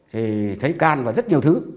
thì thấy can và rất nhiều thứ